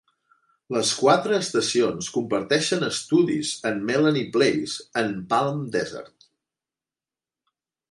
Les quatre estacions comparteixen estudis en Melanie Place en Palm Desert.